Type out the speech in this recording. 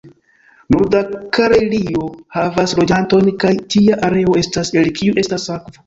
Norda Karelio havas loĝantojn kaj ĝia areo estas el kiu estas akvo.